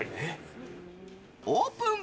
オープン。